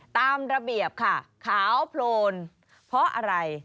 ตามระเบียบค่ะขาวโพลนเพราะอะไร